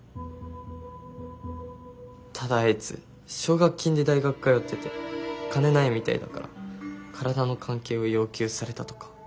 ただあいつ奨学金で大学通ってて金ないみたいだから体の関係を要求されたとかされてないとか。